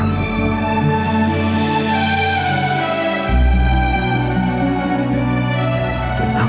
aku mencintai kamu